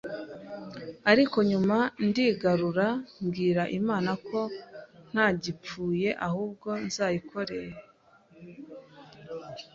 ariko nyuma ndigarura mbwira Imana ko ntagipfuye ahubwo nzayikore